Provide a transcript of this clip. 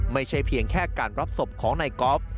ไม่ใช่เพียงแค่การรับศพของนายกอล์ฟ